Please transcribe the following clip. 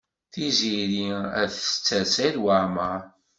Tiziri ad tetter Saɛid Waɛmaṛ.